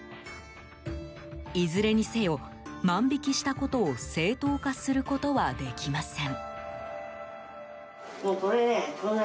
いずれにせよ、万引きしたことを正当化することはできません。